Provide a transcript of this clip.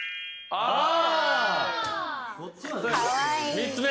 ３つ目。